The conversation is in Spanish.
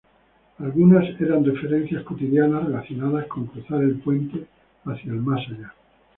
Algunas eran referencias cristianas relacionadas con cruzar el puente hacia el "más allá".